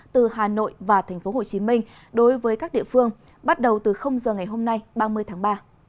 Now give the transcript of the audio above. từ hà nội và tp hcm đối với các địa phương bắt đầu từ giờ ngày hôm nay ba mươi tháng ba